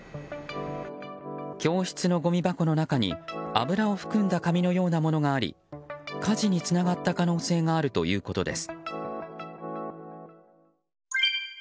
教室のごみ箱の中に油を含んだ紙のようなものがあり火事につながった可能性があるということです。